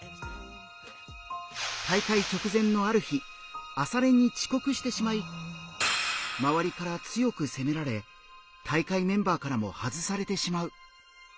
大会直前のある日朝練に遅刻してしまいまわりから強く責められ大会メンバーからも外されてしまう。